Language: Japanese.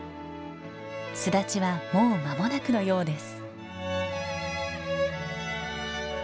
巣立ちはもう間もなくのようです。